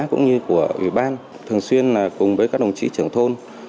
cũng như của ủy ban thường xuyên cùng với các đồng chí trưởng thôn